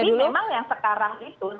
tapi memang yang sekarang itu